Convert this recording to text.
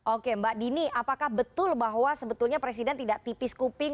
oke mbak dini apakah betul bahwa sebetulnya presiden tidak tipis kuping